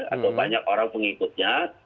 atau banyak orang pengikutnya